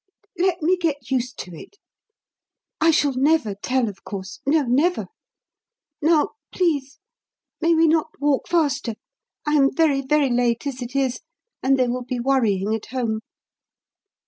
Let me get used to it. I shall never tell, of course no, never! Now, please, may we not walk faster? I am very, very late as it is; and they will be worrying at home."